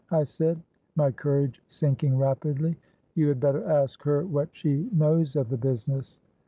I said, my courage sinking rapidly.—'You had better ask her what she knows of the business!